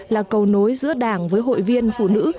là cầu nối giữa đảng với hội viên phụ nữ